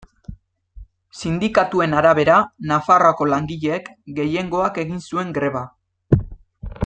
Sindikatuen arabera, Nafarroako langileek gehiengoak egin zuen greba.